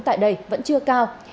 tại đây vẫn chưa cao